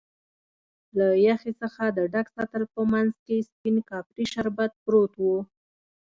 له یخی څخه د ډک سطل په مینځ کې سپین کاپري شربت پروت و.